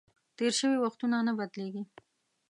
تېر شوي وختونه نه بدلیږي .